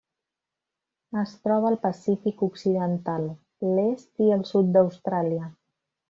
Es troba al Pacífic occidental: l'est i el sud d'Austràlia.